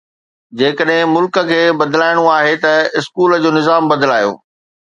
جيڪڏهن ملڪ کي بدلائڻو آهي ته اسڪول جو نظام بدلايو.